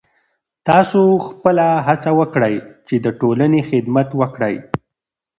تاسو خپله هڅه وکړئ چې د ټولنې خدمت وکړئ.